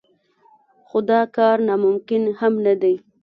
خو دا کار ناممکن هم نه دی.